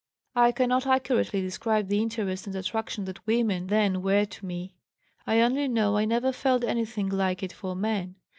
I cannot accurately describe the interest and attraction that women then were to me. I only know I never felt anything like it for men.